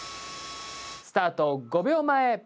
スタート５秒前。